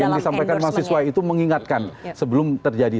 yang disampaikan mahasiswa itu mengingatkan sebelum terjadi